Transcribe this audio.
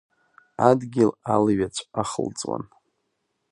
Адгьыл алҩаҵә ахылҵуан.